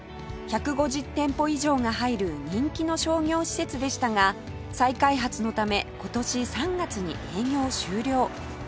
１５０店舗以上が入る人気の商業施設でしたが再開発のため今年３月に営業終了